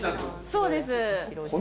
そうです。